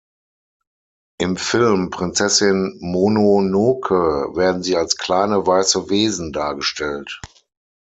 Im Film Prinzessin Mononoke werden sie als kleine, weiße Wesen dargestellt.